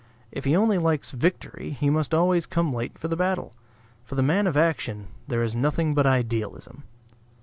If he only likes victory he must always come late for the battle. For the man of action there is nothing but idealism.